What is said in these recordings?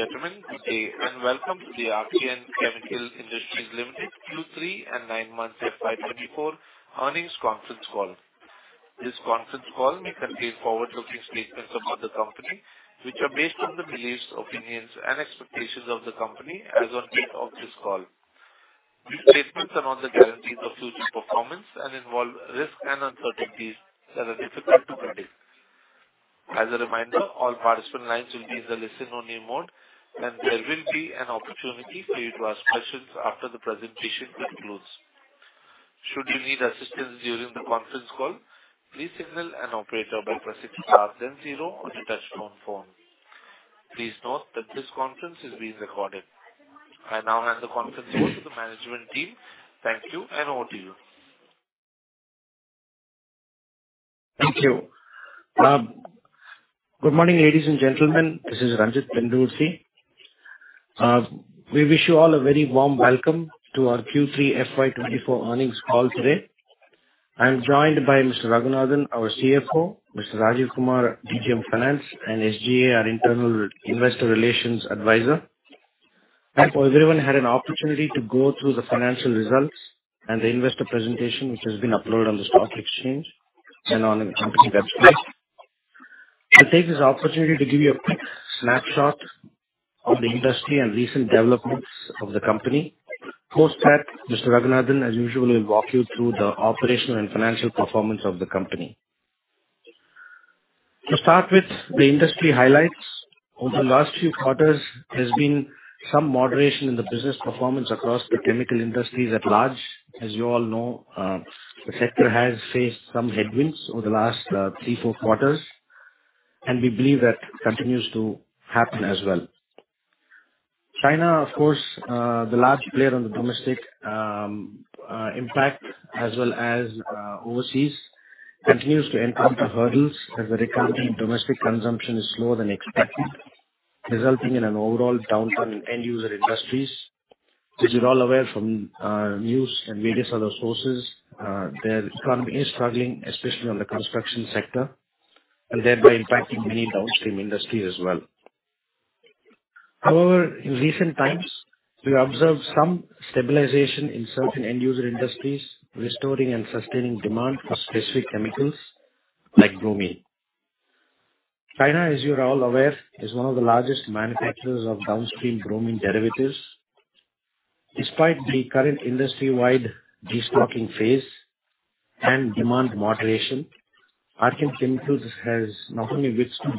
Ladies and gentlemen, welcome to the Archean Chemical Industries Limited Q3 and nine months FY24 earnings conference call. This conference call may contain forward-looking statements about the company, which are based on the beliefs, opinions, and expectations of the company as on date of this call. These statements are not the guarantees of future performance and involve risks and uncertainties that are difficult to predict. As a reminder, all participant lines will be in the listen-only mode, and there will be an opportunity for you to ask questions after the presentation concludes. Should you need assistance during the conference call, please signal an operator by pressing star then zero on the touch-tone phone. Please note that this conference is being recorded. I now hand the conference over to the management team. Thank you, and over to you. Thank you. Good morning, ladies and gentlemen. This is Ranjit Pendurthi. We wish you all a very warm welcome to our Q3 FY24 earnings call today. I'm joined by Mr. Raghunathan, our CFO, Mr. Rajeev Kumar, DGM of Finance, and SGA, our internal investor relations advisor. I hope everyone had an opportunity to go through the financial results and the investor presentation, which has been uploaded on the stock exchange and on the company website. I'll take this opportunity to give you a quick snapshot of the industry and recent developments of the company. Post that, Mr. Raghunathan, as usual, will walk you through the operational and financial performance of the company. To start with, the industry highlights: over the last few quarters, there's been some moderation in the business performance across the chemical industries at large. As you all know, the sector has faced some headwinds over the last 3, 4 quarters, and we believe that continues to happen as well. China, of course, the large player on the domestic impact as well as overseas, continues to encounter hurdles as the recovery in domestic consumption is slower than expected, resulting in an overall downturn in end-user industries. As you're all aware from news and various other sources, their economy is struggling, especially on the construction sector, and thereby impacting many downstream industries as well. However, in recent times, we observed some stabilization in certain end-user industries, restoring and sustaining demand for specific chemicals like bromine. China, as you're all aware, is one of the largest manufacturers of downstream bromine derivatives. Despite the current industry-wide destocking phase and demand moderation, Archean Chemicals has not only withstood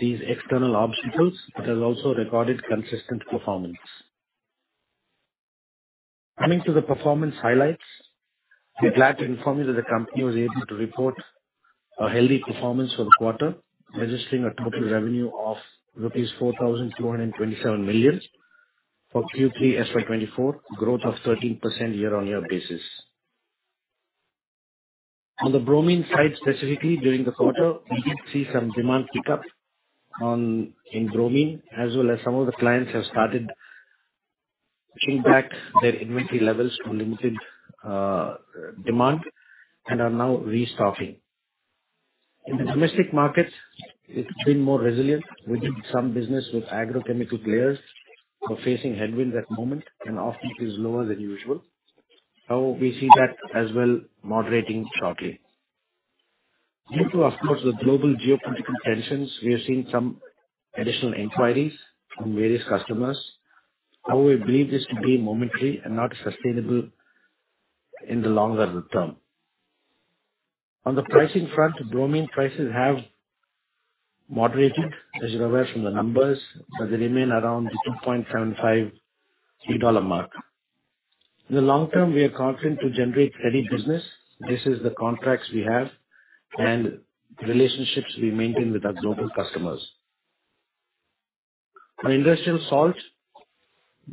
these external obstacles but has also recorded consistent performance. Coming to the performance highlights, we're glad to inform you that the company was able to report a healthy performance for the quarter, registering a total revenue of rupees 4,227 million for Q3 FY24, growth of 13% year-on-year basis. On the bromine side specifically, during the quarter, we did see some demand pickup in bromine, as well as some of the clients have started pushing back their inventory levels to limited demand and are now restocking. In the domestic markets, it's been more resilient. We did some business with agrochemical players who are facing headwinds at the moment, and often it is lower than usual. However, we see that as well moderating shortly. Due to, of course, the global geopolitical tensions, we have seen some additional inquiries from various customers. However, we believe this to be momentary and not sustainable in the longer term. On the pricing front, bromine prices have moderated, as you're aware, from the numbers, but they remain around the $2.75-$3 mark. In the long term, we are confident to generate steady business. This is the contracts we have and the relationships we maintain with our global customers. On industrial salt,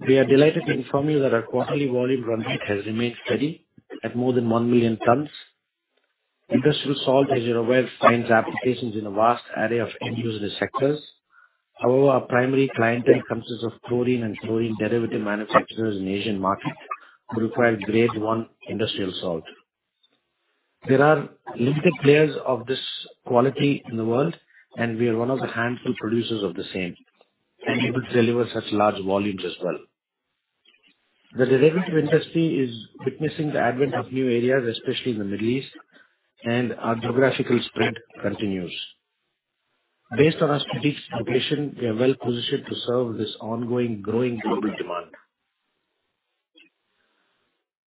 we are delighted to inform you that our quarterly volume run rate has remained steady at more than 1 million tons. Industrial salt, as you're aware, finds applications in a vast array of end-user sectors. However, our primary clientele consists of chlorine and chlorine derivative manufacturers in the Asian market who require grade I industrial salt. There are limited players of this quality in the world, and we are one of the handful producers of the same and able to deliver such large volumes as well. The derivative industry is witnessing the advent of new areas, especially in the Middle East, and our geographical spread continues. Based on our strategic location, we are well positioned to serve this ongoing, growing global demand.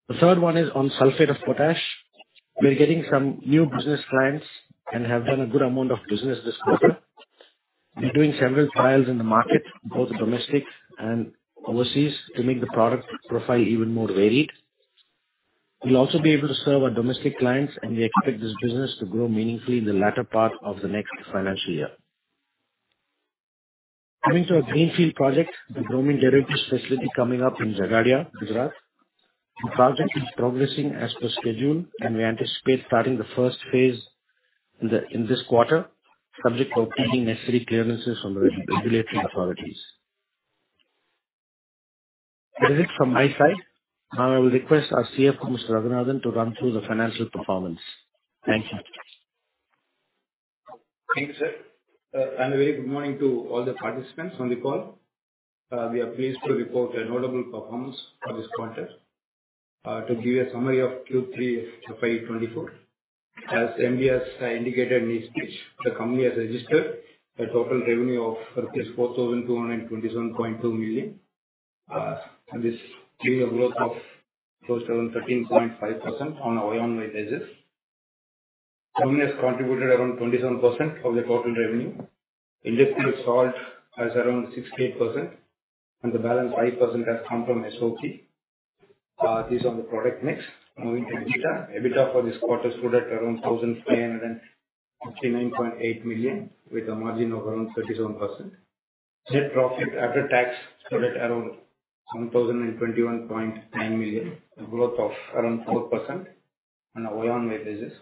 The third one is on sulfate of potash. We're getting some new business clients and have done a good amount of business this quarter. We're doing several trials in the market, both domestic and overseas, to make the product profile even more varied. We'll also be able to serve our domestic clients, and we expect this business to grow meaningfully in the latter part of the next financial year. Coming to our greenfield project, the bromine derivatives facility coming up in Jagadia, Gujarat, the project is progressing as per schedule, and we anticipate starting the phase I in this quarter, subject to obtaining necessary clearances from the regulatory authorities. That is it from my side. Now, I will request our CFO, Mr. Raghunathan, to run through the financial performance. Thank you. Thank you, sir. And a very good morning to all the participants on the call. We are pleased to report a notable performance for this quarter. To give you a summary of Q3 FY24, as MD has indicated in his speech, the company has registered a total revenue of rupees 4,227.2 million. This is a growth of close to 13.5% on a YoY basis. Bromine has contributed around 27% of the total revenue. Industrial salt has around 68%, and the balance 5% has come from SOP. This is on the product mix. Moving to EBITDA. EBITDA for this quarter stood at around 1,559.8 million, with a margin of around 37%. Net profit after tax stood at around 1,021.9 million, a growth of around 4% on a YoY basis.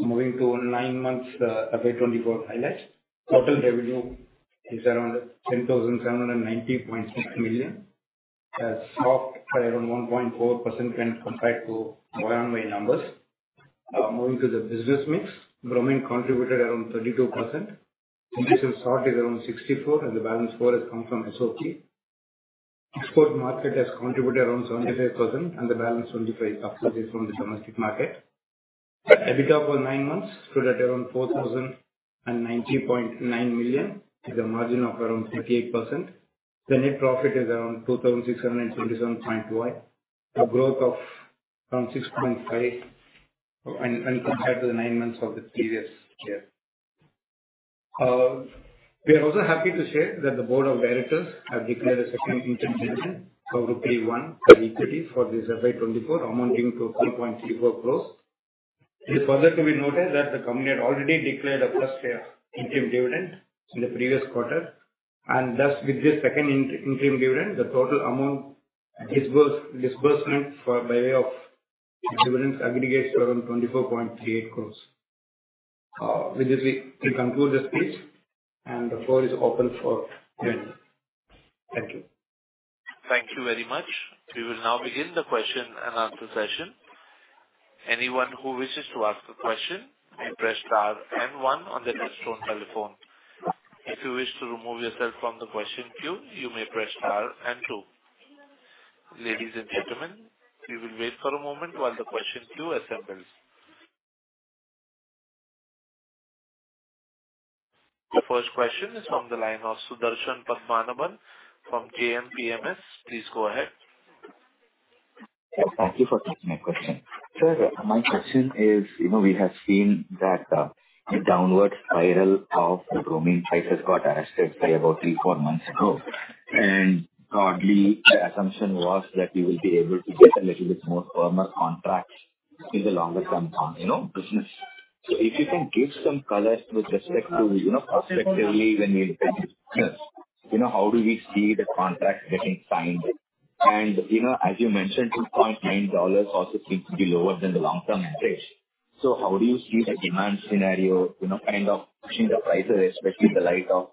Moving to nine months FY24 highlights, total revenue is around 10,790.6 million, has softened by around 1.4% when compared to YoY numbers. Moving to the business mix, bromine contributed around 32%. Industrial salt is around 64, and the balance four has come from SOP. Export market has contributed around 75%, and the balance 25 is from the domestic market. EBITDA for nine months stood at around 4,090.9 million, with a margin of around 38%. The net profit is around 2,627.1 million, a growth of around 6.5% when compared to the nine months of the previous year. We are also happy to share that the Board of Directors has declared a second interim dividend of rupee 1 per equity for this FY24, amounting to 3.34 crores. It is further to be noted that the company had already declared a first interim dividend in the previous quarter. And thus, with this second interim dividend, the total amount disbursement by way of dividends aggregates to around 24.38 crores. With this, we conclude the speech, and the floor is open for Q&A. Thank you. Thank you very much. We will now begin the question and answer session. Anyone who wishes to ask a question, may press star and one on the touch-tone telephone. If you wish to remove yourself from the question queue, you may press star and two. Ladies and gentlemen, we will wait for a moment while the question queue assembles. The first question is from the line of Sudarshan Padmanabhan from JM Financial. Please go ahead. Thank you for taking my question. Sir, my question is, we have seen that the downward spiral of the bromine price has got arrested by about 3-4 months ago. And globally, the assumption was that we will be able to get a little bit more firmer contracts in the longer-term business. So if you can give some color with respect to prospectively when we intend to, how do we see the contracts getting signed? And as you mentioned, $2.9 also seems to be lower than the long-term average. So how do you see the demand scenario kind of pushing the prices, especially in the light of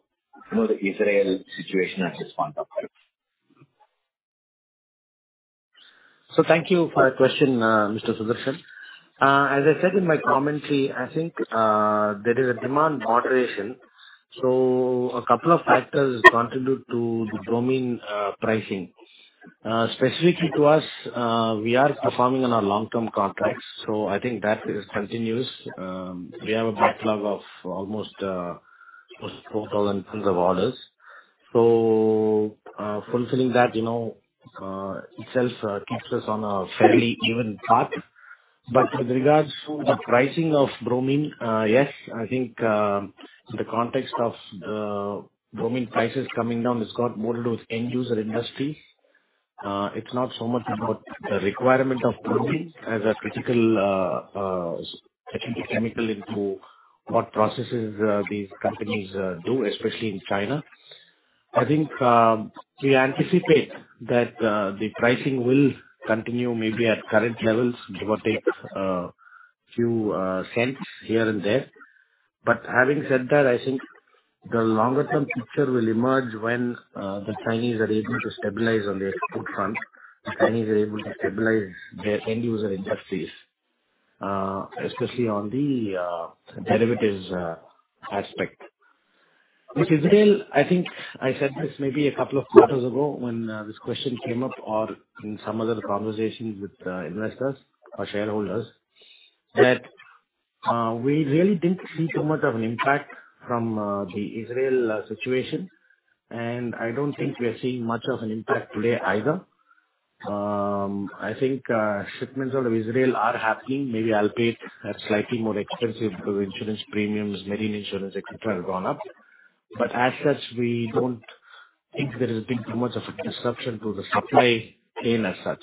the Israel situation at this point of time? So thank you for the question, Mr. Sudarshan. As I said in my commentary, I think there is a demand moderation. So a couple of factors contribute to the bromine pricing. Specifically to us, we are performing on our long-term contracts. So I think that continues. We have a backlog of almost 4,000 of orders. So fulfilling that itself keeps us on a fairly even path. But with regards to the pricing of bromine, yes, I think in the context of the bromine prices coming down, it's got to do with end-user industries. It's not so much about the requirement of bromine as a critical chemical into what processes these companies do, especially in China. I think we anticipate that the pricing will continue maybe at current levels, give or take a few cents here and there. But having said that, I think the longer-term picture will emerge when the Chinese are able to stabilize on the export front. The Chinese are able to stabilize their end-user industries, especially on the derivatives aspect. With Israel, I think I said this maybe a couple of quarters ago when this question came up or in some other conversations with investors or shareholders, that we really didn't see too much of an impact from the Israel situation. And I don't think we're seeing much of an impact today either. I think shipments out of Israel are happening. Maybe albeit has slightly more expensive, because insurance premiums, marine insurance, etc., have gone up. But as such, we don't think there has been too much of a disruption to the supply chain as such.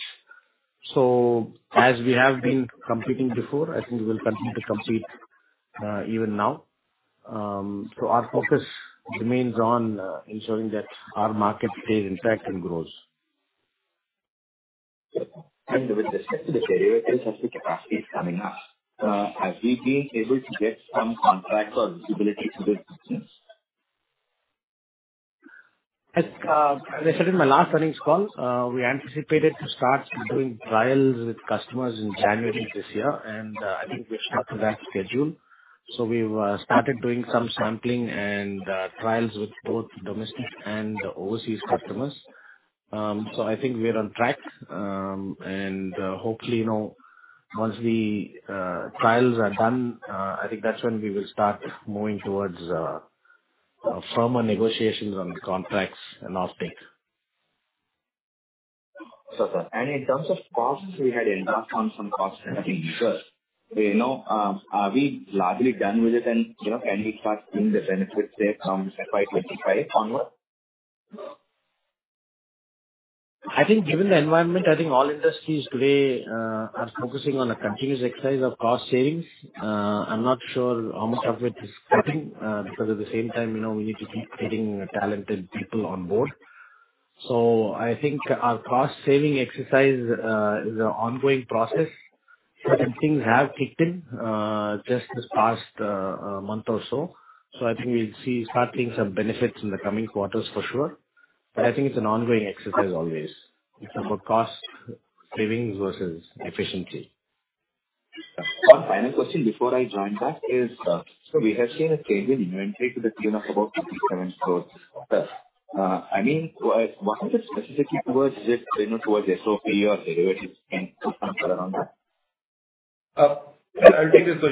So as we have been competing before, I think we will continue to compete even now. Our focus remains on ensuring that our market stays intact and grows. With respect to the derivatives as the capacity is coming up, are we being able to get some contracts or visibility to this business? As I said in my last earnings call, we anticipated to start doing trials with customers in January this year. I think we've stuck to that schedule. We've started doing some sampling and trials with both domestic and overseas customers. I think we're on track. Hopefully, once the trials are done, I think that's when we will start moving towards firmer negotiations on contracts and offtake. Sir, in terms of costs, we had embarked on some cost cutting before. Are we largely done with it, and can we start seeing the benefits therefrom FY25 onward? I think given the environment, I think all industries today are focusing on a continuous exercise of cost savings. I'm not sure how much of it is cutting because, at the same time, we need to keep getting talented people on board. So I think our cost-saving exercise is an ongoing process. Certain things have kicked in just this past month or so. So I think we'll start seeing some benefits in the coming quarters for sure. But I think it's an ongoing exercise always. It's about cost savings versus efficiency. One final question before I join back is, so we have seen a change in inventory to the tune of about 57 crore. Sir, I mean, why is it specifically towards SOP or derivatives and something around that? I'll take this question, sir. Mr. Raghunathan will take it. Yeah, Mr. Raghunathan will take this question. Mr. Sudarshan, basically,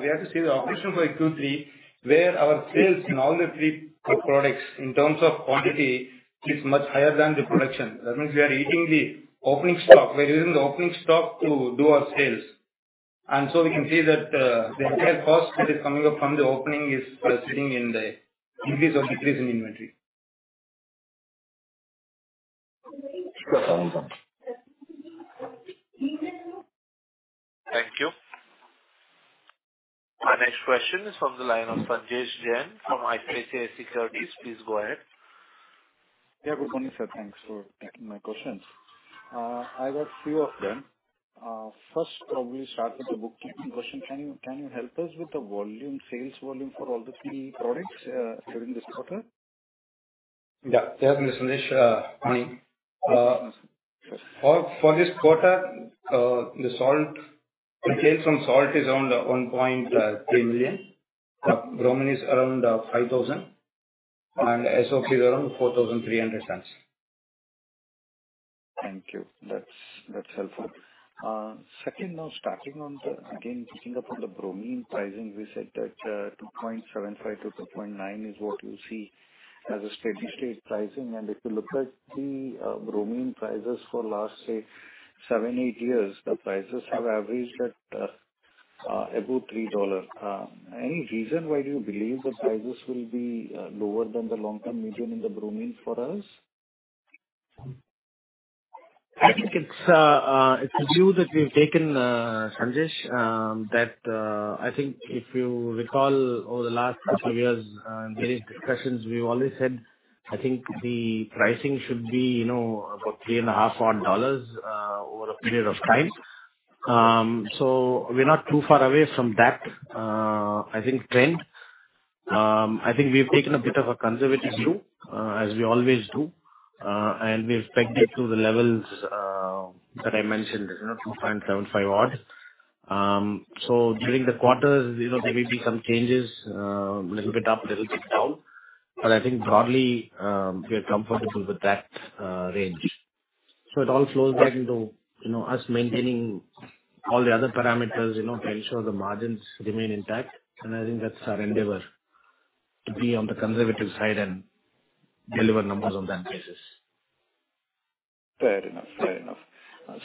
we have to see the operation for Q3 where our sales in all the three products, in terms of quantity, is much higher than the production. That means we are eating the opening stock. We're using the opening stock to do our sales. And so we can see that the entire cost that is coming up from the opening is sitting in the increase or decrease in inventory. [inaudible] Thank you. Our next question is from the line of Sanjesh Jain from ICICI Securities. Please go ahead. Yeah, good morning, sir. Thanks for taking my questions. I got a few of them. First, probably start with the bookkeeping question. Can you help us with the sales volume for all the three products during this quarter? Yeah. Yes, Mr. Sanjesh. For this quarter, the sales from salt is around 1.3 million. Bromine is around 5,000. And SOP is around 4,300. Thank you. That's helpful. Second, again, picking up on the bromine pricing, we said that $2.75-$2.9 is what you see as a steady state pricing. If you look at the bromine prices for the last, say, 7-8 years, the prices have averaged at about $3. Any reason why do you believe the prices will be lower than the long-term median in the bromine for us? I think it's a view that we've taken, Sanjesh, that I think if you recall, over the last couple of years, in various discussions, we've always said I think the pricing should be about $3.50 or $4 over a period of time. So we're not too far away from that, I think, trend. I think we've taken a bit of a conservative view, as we always do. And we've pegged it to the levels that I mentioned, $2.75 odd. So during the quarters, there may be some changes, a little bit up, a little bit down. But I think, broadly, we are comfortable with that range. So it all flows back into us maintaining all the other parameters to ensure the margins remain intact. And I think that's our endeavor to be on the conservative side and deliver numbers on that basis. Fair enough. Fair enough.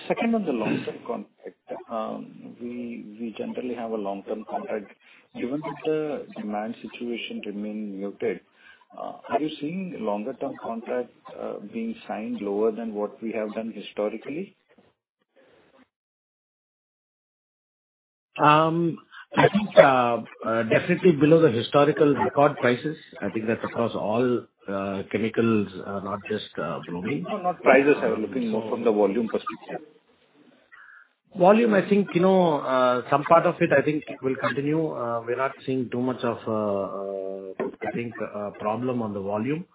Second, on the long-term contract, we generally have a long-term contract. Given that the demand situation remains muted, are you seeing longer-term contracts being signed lower than what we have done historically? I think definitely below the historical record prices. I think that's across all chemicals, not just bromine. No, not prices. I was looking more from the volume perspective. Volume, I think some part of it, I think, will continue. We're not seeing too much of, I think, a problem on the volume.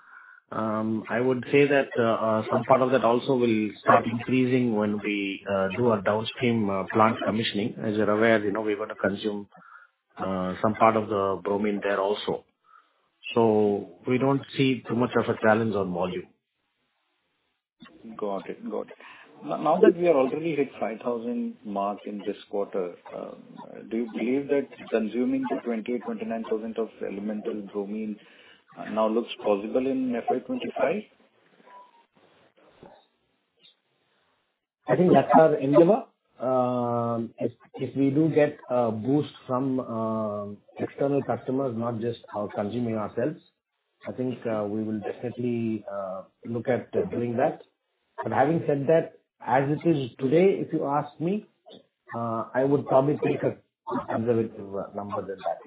I would say that some part of that also will start increasing when we do our downstream plant commissioning. As you're aware, we're going to consume some part of the bromine there also. So we don't see too much of a challenge on volume. Got it. Got it. Now that we are already hit the 5,000 margin this quarter, do you believe that consuming the 28,000, 29,000 of elemental bromine now looks possible in FY25? I think that's our endeavor. If we do get a boost from external customers, not just our consuming ourselves, I think we will definitely look at doing that. But having said that, as it is today, if you ask me, I would probably take a conservative number than that.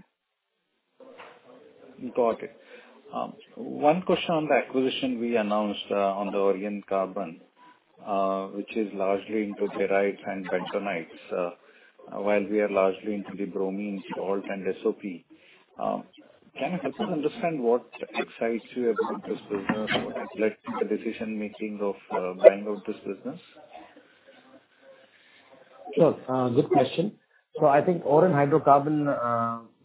Got it. One question on the acquisition we announced on the Oren Hydrocarbons, which is largely into pyrites and bentonites, while we are largely into the bromine, salt, and SOP. Can you help us understand what excites you about this business, what has led to the decision-making of buying out this business? Sure. Good question. So I think Oren Hydrocarbons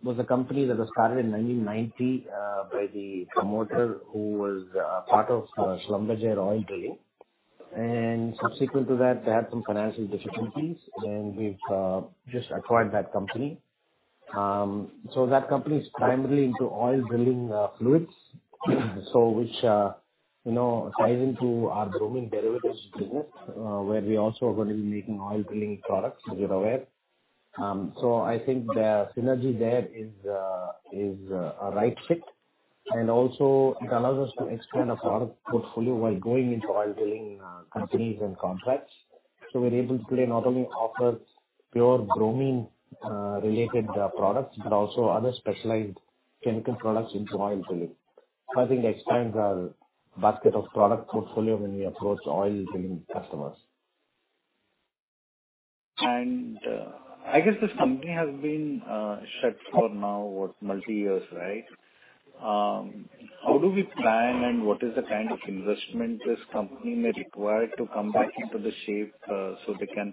was a company that was started in 1990 by the promoter who was part of Schlumberger oil drilling. And subsequent to that, they had some financial difficulties. And we've just acquired that company. So that company is primarily into oil drilling fluids, which ties into our bromine derivatives business where we also are going to be making oil drilling products, as you're aware. So I think the synergy there is a right fit. And also, it allows us to expand our product portfolio while going into oil drilling companies and contracts. So we're able today not only to offer pure bromine-related products but also other specialized chemical products into oil drilling. So I think that expands our basket of product portfolio when we approach oil drilling customers. I guess this company has been shut for now, what, multi-years, right? How do we plan, and what is the kind of investment this company may require to come back into the shape so they can,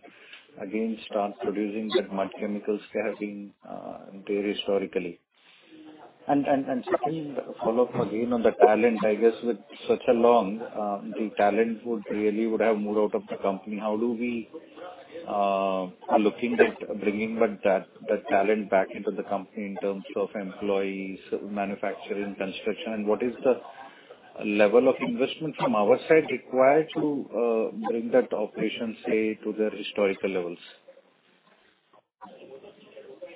again, start producing that much chemicals they have been doing historically? And second, follow up again on the talent. I guess with such a long, the talent really would have moved out of the company. How do we are looking at bringing that talent back into the company in terms of employees, manufacturing, construction? And what is the level of investment from our side required to bring that operation, say, to their historical levels?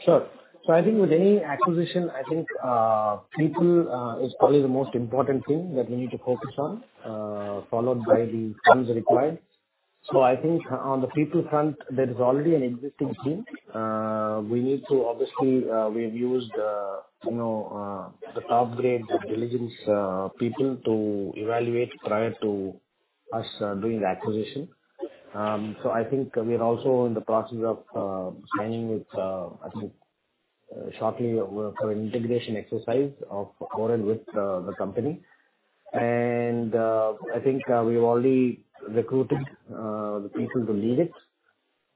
Sure. So I think with any acquisition, I think people is probably the most important thing that we need to focus on, followed by the funds required. So I think on the people front, there is already an existing team. We need to obviously, we've used the top-grade diligence people to evaluate prior to us doing the acquisition. So I think we are also in the process of signing with, I think, shortly for an integration exercise of Oren with the company. And I think we've already recruited the people to lead it.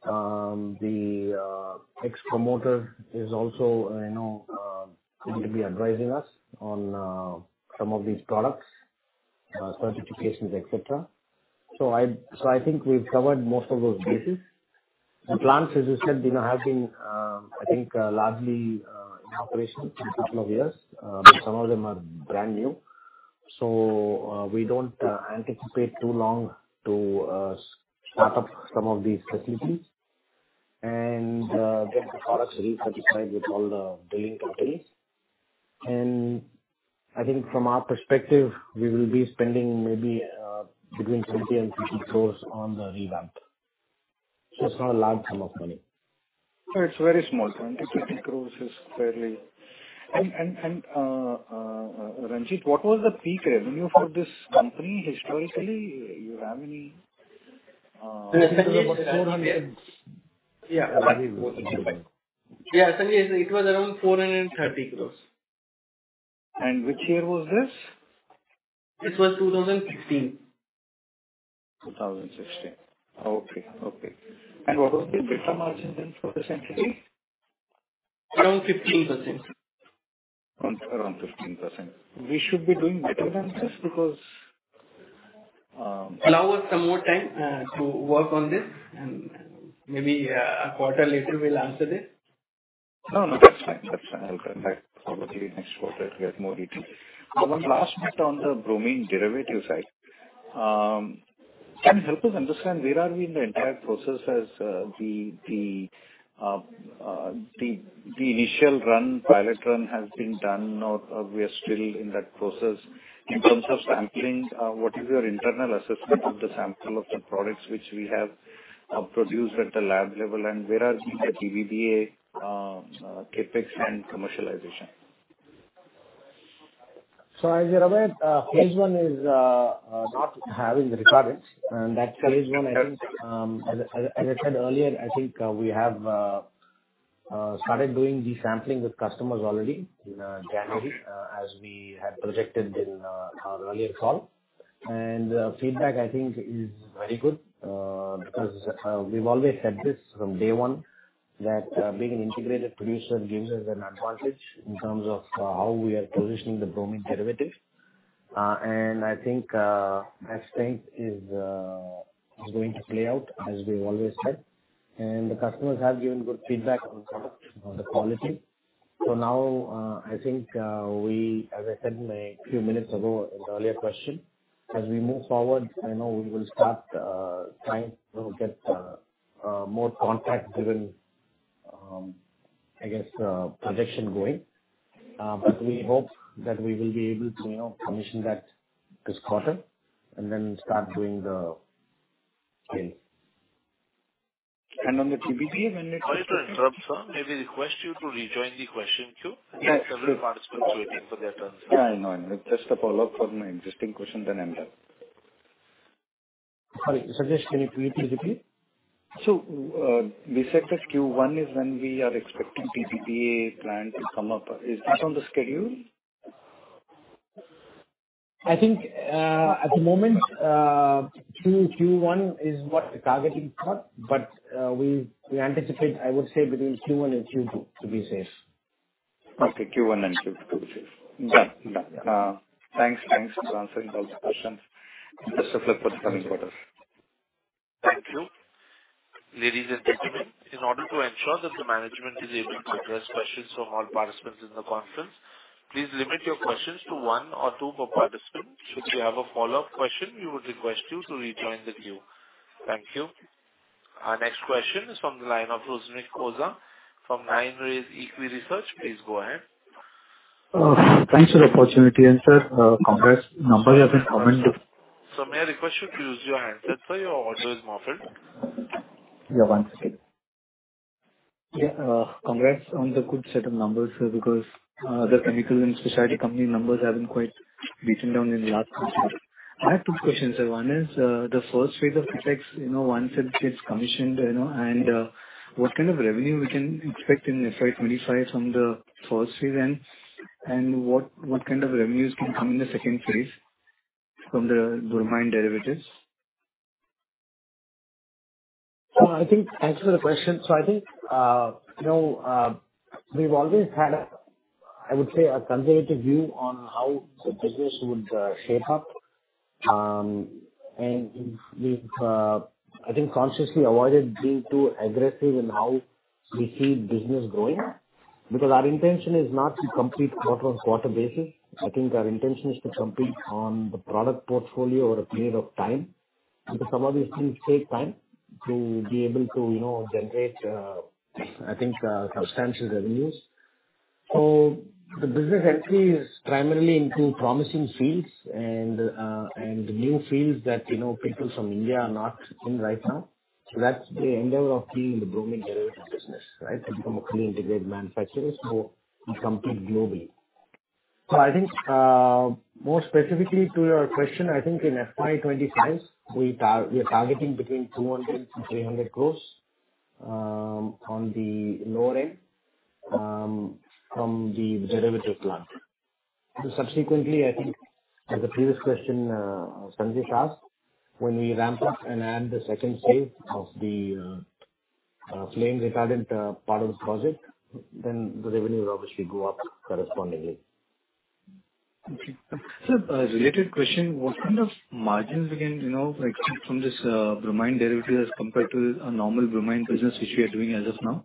The ex-promoter is also going to be advising us on some of these products, certifications, etc. So I think we've covered most of those bases. The plants, as you said, have been, I think, largely in operation for a couple of years. But some of them are brand new. We don't anticipate too long to start up some of these facilities and get the products recertified with all the drilling companies. I think from our perspective, we will be spending maybe between 20 crore-50 crore on the revamp. It's not a large sum of money. Sure. It's a very small sum. 50 crore is fairly and Ranjit, what was the peak revenue for this company historically? You have any? In the 1970s? Yeah. Yeah. Sanjesh, it was around 430 crore. Which year was this? This was 2016. 2016. Okay. Okay. What was the EBITDA margin then for this entity? Around 15%. Around 15%. We should be doing better than this because. Allow us some more time to work on this. Maybe a quarter later, we'll answer this. No, no. That's fine. That's fine. I'll contact probably next quarter to get more details. One last bit on the bromine derivative side. Can you help us understand where are we in the entire process as the initial run, pilot run has been done, or we are still in that process in terms of sampling? What is your internal assessment of the sample of the products which we have produced at the lab level? And where are we with the TBBA, CapEx, and commercialization? So, as you're aware, phase I is not having the retardants. That phase I, I think, as I said earlier, I think we have started doing the sampling with customers already in January as we had projected in our earlier call. Feedback, I think, is very good because we've always said this from day one, that being an integrated producer gives us an advantage in terms of how we are positioning the bromine derivative. I think that strength is going to play out as we've always said. The customers have given good feedback on the product, on the quality. So now, I think we, as I said a few minutes ago in the earlier question, as we move forward, I know we will start trying to get more contract-driven, I guess, projection going. We hope that we will be able to commission that this quarter and then start doing the sales. On the TBBA, when it. Sorry to interrupt, sir. Maybe request you to rejoin the question queue. I think several participants are waiting for their turns. Yeah. No, no. It's just a follow-up for my existing question, then end up. Sorry. Sanjesh, can you please repeat? So, we said that Q1 is when we are expecting TBBA plant to come up. Is that on the schedule? I think at the moment, Q1 is what the targeting thought. But we anticipate, I would say, between Q1 and Q2, to be safe. Okay. Q1 and Q2, to be safe. Done. Done. Thanks. Thanks for answering all the questions. Just a flip for the coming quarters. Thank you. Ladies and gentlemen, in order to ensure that the management is able to address questions from all participants in the conference, please limit your questions to one or two per participant. Should you have a follow-up question, we would request you to rejoin the queue. Thank you. Our next question is from the line of Rusmik Oza from 9 Rays EquiResearch. Please go ahead. Thanks for the opportunity. And sir, Congrats. Numbers have been commented. Sir, may I request you to use your handset, sir? Your audio is muffled. Yeah. One second. Yeah. Congrats on the good set of numbers, sir, because the chemical and specialty company numbers haven't quite beaten down in the last few years. I have two questions, sir. One is the phase I of CapEx once it gets commissioned. What kind of revenue we can expect in FY25 from the phase I? What kind of revenues can come in the phase II from the bromine derivatives? I think thanks for the question. I think we've always had, I would say, a conservative view on how the business would shape up. We've, I think, consciously avoided being too aggressive in how we see business growing because our intention is not to compete quarter-on-quarter basis. I think our intention is to compete on the product portfolio over a period of time because some of these things take time to be able to generate, I think, substantial revenues. The business entry is primarily into promising fields and new fields that people from India are not in right now. That's the endeavor of being in the bromine derivative business, right, to become a fully integrated manufacturer so we compete globally. So I think more specifically to your question, I think in FY25, we are targeting between 200 crore-300 crore on the lower end from the derivative plant. Subsequently, I think, as the previous question Sanjesh asked, when we ramp up and add the phase II of the flame-retardant part of the project, then the revenues obviously go up correspondingly. Okay. Sir, a related question. What kind of margins we can expect from this bromine derivative as compared to a normal bromine business which we are doing as of now?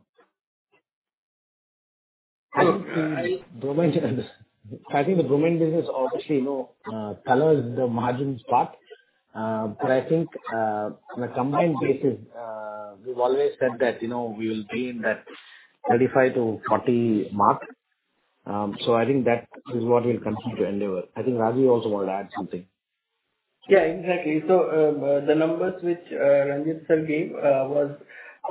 So I think the bromine business obviously colors the margins part. But I think on a combined basis, we've always said that we will be in that 35%-40% mark. So I think that is what we'll continue to endeavor. I think Rajeev also wanted to add something. Yeah. Exactly. So the numbers which Ranjit, sir, gave was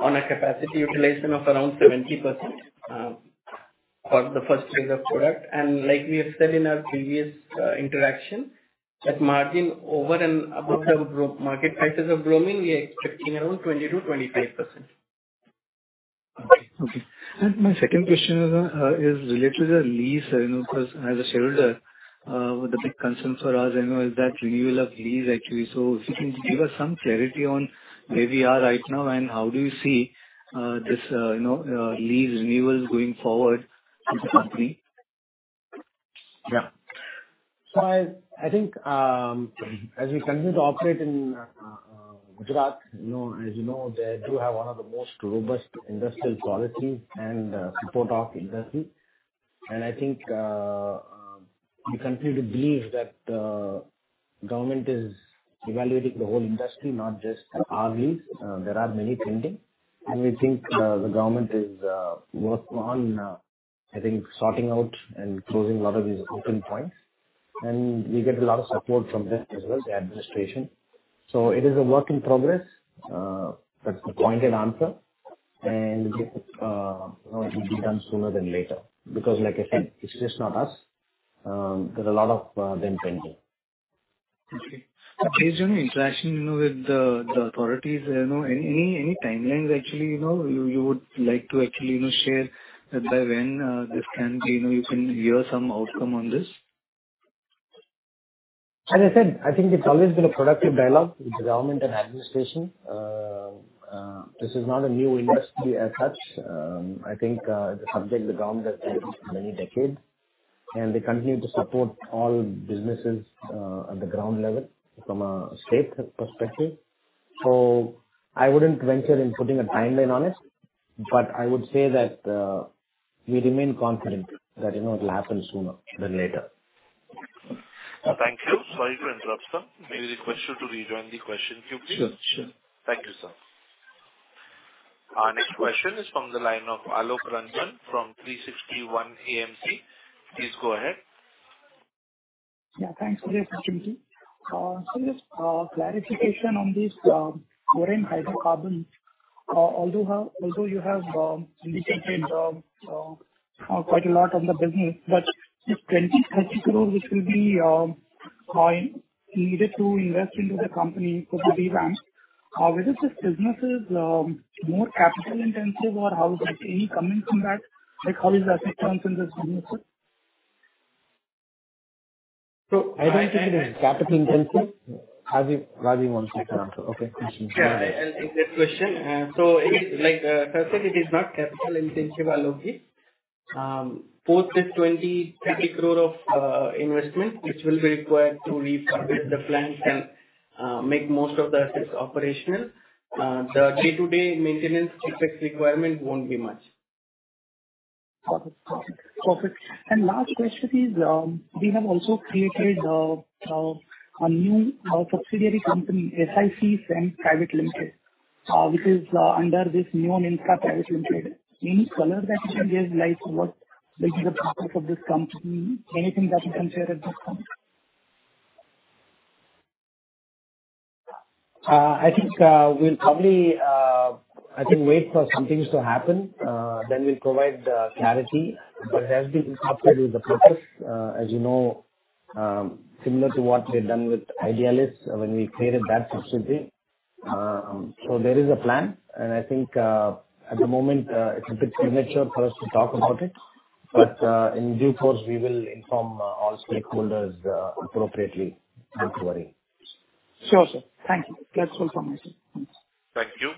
on a capacity utilization of around 70% for the phase I of product. And like we have said in our previous interaction, that margin over and above the market prices of bromine, we are expecting around 20%-25%. Okay. Okay. And my second question is related to the lease because as a shareholder, the big concern for us is that renewal of lease, actually. So if you can give us some clarity on where we are right now and how do you see this lease renewal going forward in the company? Yeah. So I think as we continue to operate in Gujarat, as you know, they do have one of the most robust industrial policies and support of industry. And I think we continue to believe that the government is evaluating the whole industry, not just our lease. There are many pending. And we think the government is working on, I think, sorting out and closing a lot of these open points. And we get a lot of support from them as well, the administration. So it is a work in progress. That's the pointed answer. And it will be done sooner than later because, like I said, it's just not us. There's a lot of them pending. Okay. Based on your interaction with the authorities, any timelines, actually, you would like to actually share by when this can be? You can hear some outcome on this? As I said, I think it's always been a productive dialogue with the government and administration. This is not a new industry as such. I think it's a subject the government has been in for many decades. And they continue to support all businesses at the ground level from a state perspective. So I wouldn't venture in putting a timeline on it. But I would say that we remain confident that it will happen sooner than later. Thank you. Sorry to interrupt, sir. May I request you to rejoin the question queue, please? Sure. Sure. Thank you, sir. Our next question is from the line of Alok Ranjan from 360 ONE AMC. Please go ahead. Yeah. Thanks for the opportunity. So just clarification on this. Oren Hydrocarbons, although you have indicated quite a lot on the business, but this 20 crore-30 crore, which will be needed to invest into the company for the revamp, whether this business is more capital-intensive or how is capex coming from that? How is that concerned in this business, sir? I don't think it is capital-intensive. Rajeev wants to answer. Okay. Question. Yeah. And exact question. So as I said, it is not capital-intensive, Alok ji. Post this 20 crore-30 crore of investment, which will be required to refurbish the plants and make most of the assets operational, the day-to-day maintenance CapEx requirement won't be much. Got it. Got it. Perfect. And last question is we have also created a new subsidiary company, SiCSem Private Limited, which is under this Neun Infra Private Limited. Any color that you can give what will be the purpose of this company, anything that you can share at this point? I think we'll probably, I think, wait for some things to happen. Then we'll provide clarity. But it has been incorporated with the purpose, as you know, similar to what we had done with Idealis when we created that subsidiary. So there is a plan. And I think at the moment, it's a bit premature for us to talk about it. But in due course, we will inform all stakeholders appropriately. Don't worry. Sure, sir. Thank you. That's all from me, sir. Thanks. Thank you.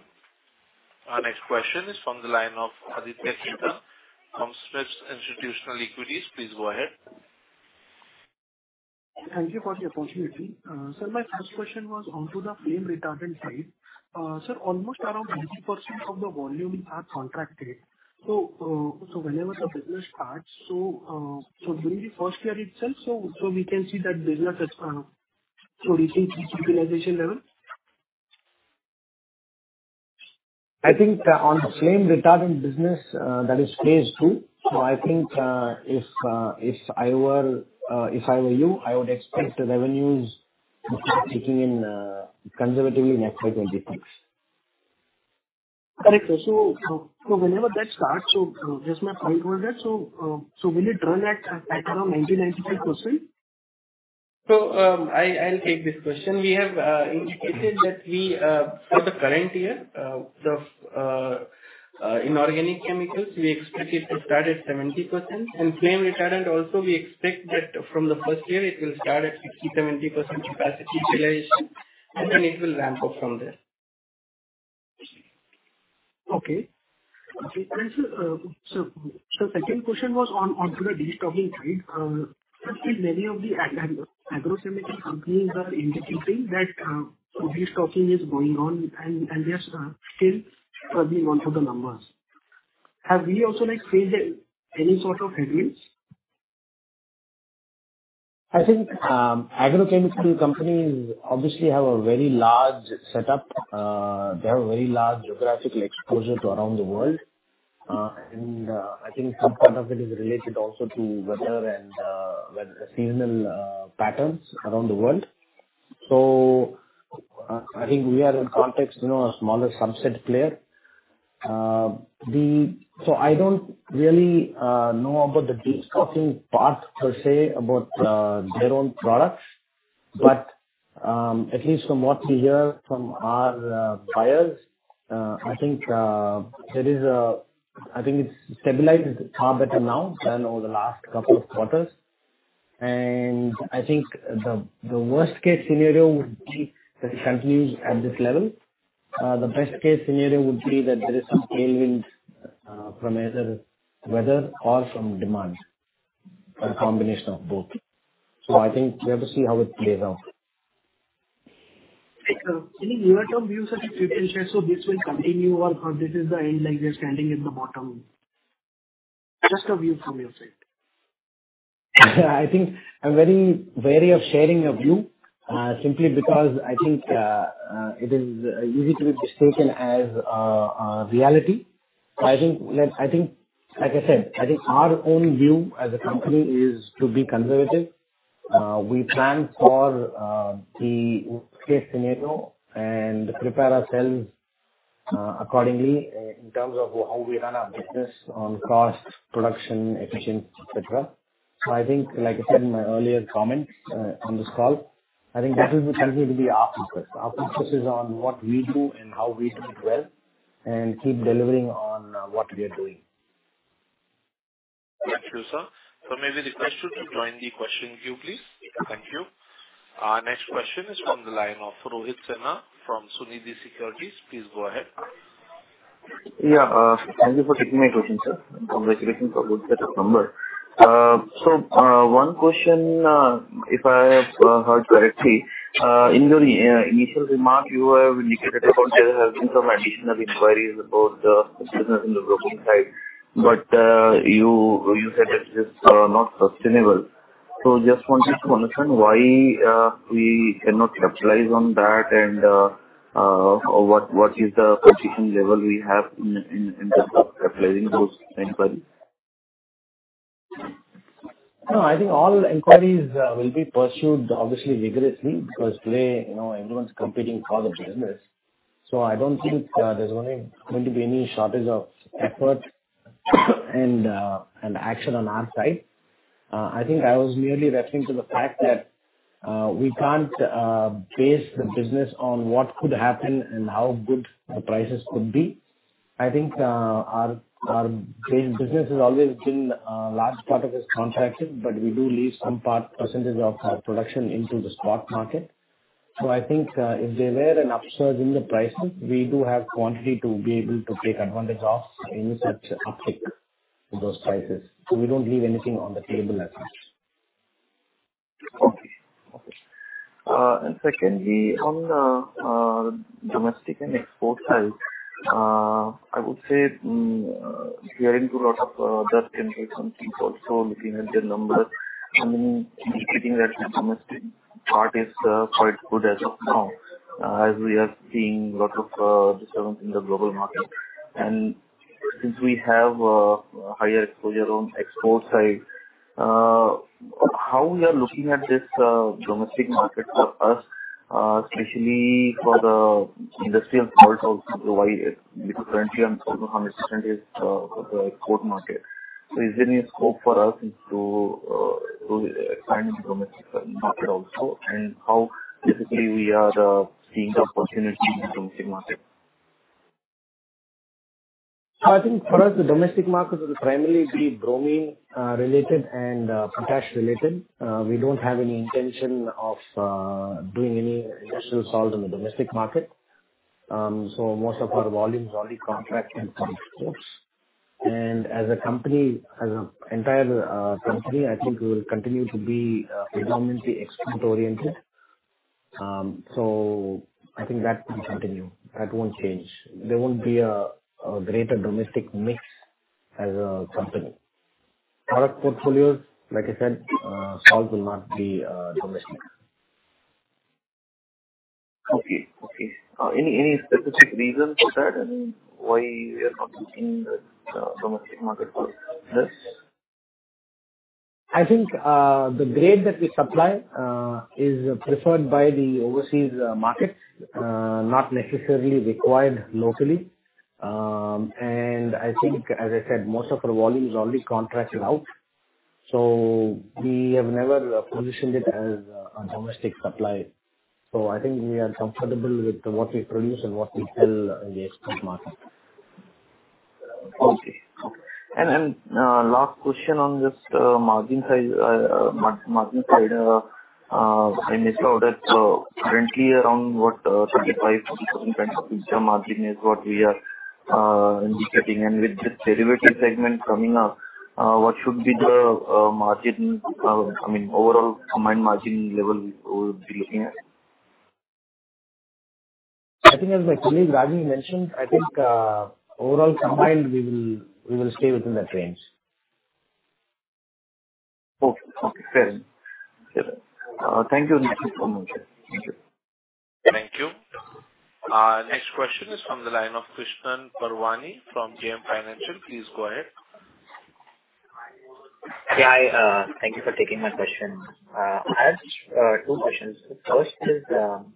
Our next question is from the line of Aditya Khetan from SMIFS Institutional Equities. Please go ahead. Thank you for the opportunity. Sir, my first question was onto the flame-retardant side. Sir, almost around 90% of the volume are contracted. So whenever the business starts so during the first year itself, so we can see that business at so reaching utilization level? I think on the flame-retardant business, that is phase II. So I think if I were you, I would expect revenues to start ticking in conservatively in FY26. Correct, sir. So whenever that starts so just my point was that. So will it run at around 90%-95%? So I'll take this question. We have indicated that for the current year, inorganic chemicals, we expect it to start at 70%. Flame Retardant also, we expect that from the first year, it will start at 60%-70% capacity utilization. And then it will ramp up from there. Okay. Okay. Sir, so the second question was onto the destocking side. Sir, many of the agrochemical companies are indicating that destocking is going on. They are still struggling onto the numbers. Have we also faced any sort of headwinds? I think agrochemical companies obviously have a very large setup. They have a very large geographical exposure to around the world. And I think some part of it is related also to weather and seasonal patterns around the world. So I think we are, in context, a smaller subset player. So I don't really know about the destocking part per se about their own products. But at least from what we hear from our buyers, I think it's stabilized far better now than over the last couple of quarters. And I think the worst-case scenario would be that it continues at this level. The best-case scenario would be that there is some tailwind from either weather or from demand or a combination of both. So, I think we have to see how it plays out. Any near-term views that you can share so this will continue or this is the end, like they're standing at the bottom? Just a view from your side? I think I'm very wary of sharing a view simply because I think it is easy to be mistaken as reality. So I think, like I said, I think our own view as a company is to be conservative. We plan for the worst-case scenario and prepare ourselves accordingly in terms of how we run our business on cost, production, efficiency, etc. So I think, like I said in my earlier comments on this call, I think that will continue to be our focus. Our focus is on what we do and how we do it well and keep delivering on what we are doing. Thank you, sir. So maybe the question to join the question queue, please. Thank you. Our next question is from the line of Rohit Sinha from Sunidhi Securities. Please go ahead. Yeah. Thank you for taking my question, sir. Congratulations for a good set of numbers. So one question, if I have heard correctly, in your initial remark, you have indicated that there have been some additional inquiries about the business on the bromine side. But you said that it is not sustainable. So just wanted to understand why we cannot capitalize on that and what is the position level we have in terms of capitalizing those inquiries? No. I think all inquiries will be pursued, obviously, vigorously because today, everyone's competing for the business. So I don't think there's going to be any shortage of effort and action on our side. I think I was merely referring to the fact that we can't base the business on what could happen and how good the prices could be. I think our business has always been a large part of it contracted. But we do leave some percentage of our production into the spot market. So I think if there were an upsurge in the prices, we do have quantity to be able to take advantage of any such uptick in those prices. So we don't leave anything on the table as such. Okay. Okay. And secondly, on the domestic and export side, I would say we are into a lot of other countries and things also looking at their numbers. I mean, indicating that the domestic part is quite good as of now as we are seeing a lot of disturbance in the global market. And since we have higher exposure on export side, how we are looking at this domestic market for us, especially for the industrial part also, because currently, almost 100% is for the export market. So is there any scope for us to expand into the domestic market also? And how, basically, we are seeing the opportunity in the domestic market? So I think for us, the domestic market will primarily be bromine-related and potash-related. We don't have any intention of doing any industrial salt in the domestic market. Most of our volume is only contracted for exports. As an entire company, I think we will continue to be predominantly export-oriented. That will continue. That won't change. There won't be a greater domestic mix as a company. Product portfolios, like I said, salt will not be domestic. Okay. Okay. Any specific reason for that, why you are not looking at domestic market for this? I think the grade that we supply is preferred by the overseas markets, not necessarily required locally. I think, as I said, most of our volume is only contracted out. We have never positioned it as a domestic supply. I think we are comfortable with what we produce and what we sell in the export market. Okay. Okay. And last question on just margin side. I missed out it so, currently around what 35%-40% kind of EBITDA margin is what we are indicating. And with this derivative segment coming up, what should be the margin I mean, overall combined margin level we would be looking at? I think, as my colleague Rajeev mentioned, I think overall combined, we will stay within that range. Okay. Okay. Fair enough. Fair enough. Thank you, that's it for my side. Thank you. Thank you. Next question is from the line of Krishan Parwani from JM Financial. Please go ahead. Yeah. Thank you for taking my question. I have two questions. The first is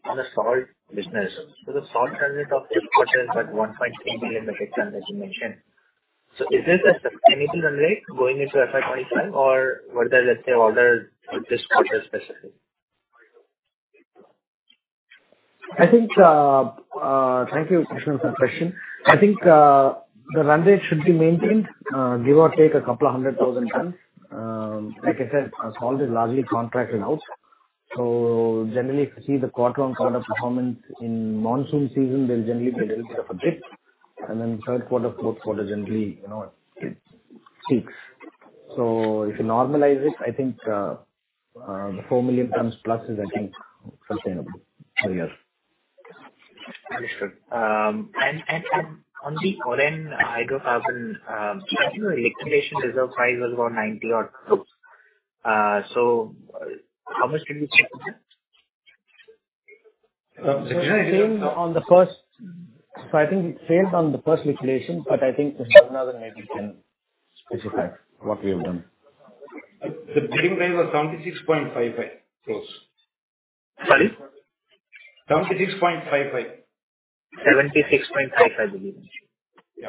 on the salt business. The salt transit of this quarter is about 1.3 million metric tons, as you mentioned. Is this a sustainable run rate going into FY25? Or were there, let's say, orders for this quarter specifically? I think, thank you, Krishan, for the question. I think the run rate should be maintained, give or take a couple of 100,000 tons. Like I said, salt is largely contracted out. So generally, if you see the quarter-on-quarter performance in monsoon season, there'll generally be a little bit of a dip. And then third quarter, fourth quarter, generally, it peaks. So if you normalize it, I think the 4 million tons plus is, I think, sustainable for the year. Understood. And on the Oren Hydrocarbons, I think the liquidation reserve price was about 90 or so. So, how much did you sell for that? Exactly, On the first. So, I think we failed on the first liquidation. But I think Mr. Raghunathan maybe can specify what we have done. The bidding price was 76.55 crores. Sorry? 76.55. 76.55, I believe. Yeah.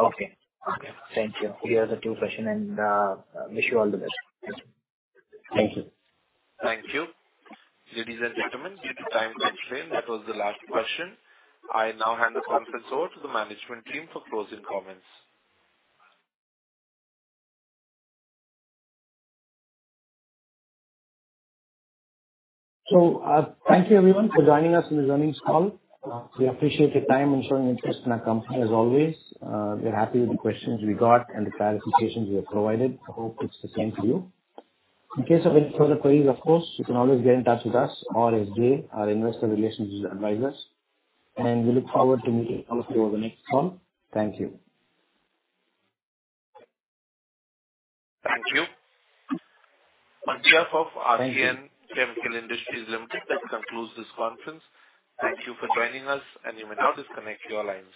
Okay. Okay. Thank you. These are the two questions. And I Wish you all the best. Thank you. Thank you, ladies and gentlemen. Due to time constraints, that was the last question. I now hand the conference over to the management team for closing comments. Thank you, everyone, for joining us in this earnings call. We appreciate your time and showing interest in our company, as always. We're happy with the questions we got and the clarifications you have provided. I hope it's the same for you. In case of any further queries, of course, you can always get in touch with us or SGA, our investor relations advisors. We look forward to meeting all of you over the next call. Thank you. Thank you. On behalf of Archean Chemical Industries Limited, that concludes this conference. Thank you for joining us. You may now disconnect your lines.